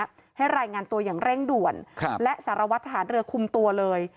หากะลายงานตัวอย่างเร่งด่วนและสารวัตถ์ทหารเรือคุมตัวเลย